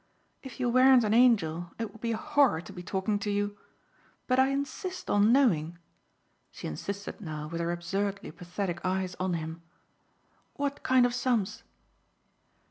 "If you weren't an angel it would be a horror to be talking to you. But I insist on knowing." She insisted now with her absurdly pathetic eyes on him. "What kind of sums?"